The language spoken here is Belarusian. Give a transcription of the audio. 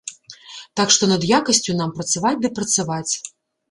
Так што над якасцю нам працаваць ды працаваць.